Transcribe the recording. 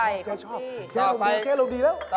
เยอะ